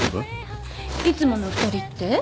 いつもの２人って？